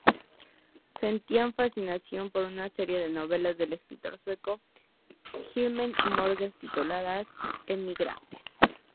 Sentían fascinación por una serie de novelas del escritor sueco Vilhelm Moberg tituladas "Emigrantes".